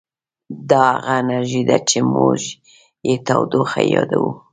دا همغه انرژي ده چې موږ یې تودوخه یادوو.